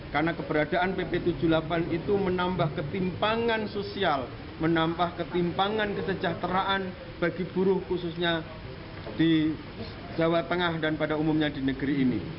karena keberadaan pp tujuh puluh delapan itu menambah ketimpangan sosial menambah ketimpangan kesejahteraan bagi buruh khususnya di jawa tengah dan pada umumnya di negeri ini